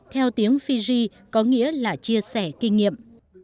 theo tiếng fij có nghĩa là chia sẻ kinh nghiệm